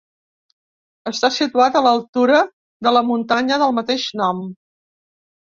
Està situat a l'altura de la muntanya del mateix nom.